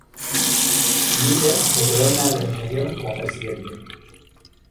Miller se quedó en la organización como presidente.